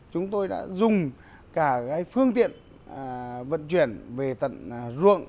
chúng tôi đã dùng cả phương tiện vận chuyển về tận ruộng